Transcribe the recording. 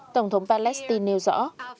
tổng thống palestine nêu rõ